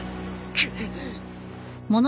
くっ。